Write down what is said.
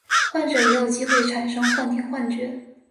患者也有机会产生幻听幻觉。